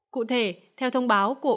cụ thể theo thông báo của